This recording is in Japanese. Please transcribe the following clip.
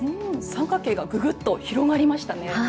三角形がググっと広がりましたね。